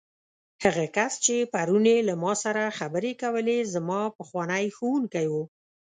هغه کس چې پرون یې له ما سره خبرې کولې، زما پخوانی ښوونکی و.